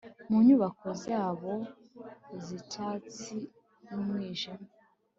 Mu nyubako zabo zicyatsi yumwijima